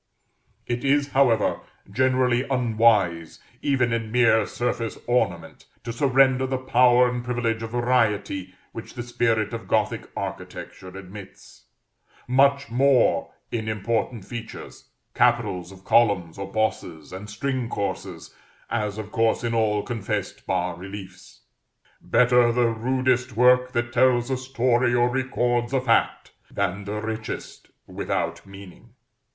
It is, however, generally unwise, even in mere surface ornament, to surrender the power and privilege of variety which the spirit of Gothic architecture admits; much more in important features capitals of columns or bosses, and string courses, as of course in all confessed bas reliefs. Better the rudest work that tells a story or records a fact, than the richest without meaning.